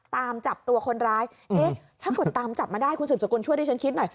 ตามจับตัวคนร้ายถ้าคนตามจับมาได้คุณสุดสกุลช่วยด้วยฉันคิดหน่อย